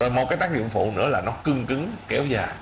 một cái tác dụng phụ nữa là nó cưng cứng kéo dài